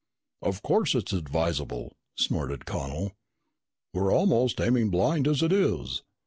"Of course it's advisable!" snorted Connel. "We're almost aiming blind as it is.